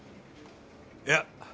いや。